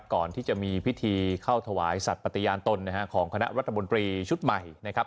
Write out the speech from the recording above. ก่อนที่จะมีพิธีเข้าถวายสัตว์ปฏิญาณตนนะฮะของคณะรัฐมนตรีชุดใหม่นะครับ